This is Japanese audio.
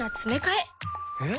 えっ？